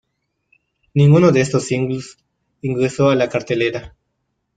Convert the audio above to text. Ninguno de estos singles ingresó a las cartelera.